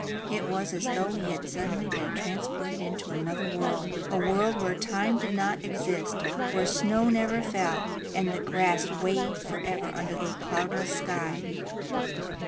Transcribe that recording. It was as though he had suddenly been transported into another world, a world where time did not exist, where snow never fell, and the grass waved forever under a cloudless sky.